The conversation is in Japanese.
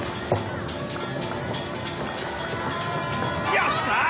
よっしゃ！